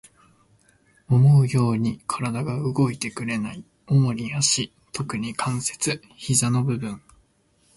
思うように体が動いてくれない。主に足、特に関節、膝の部分。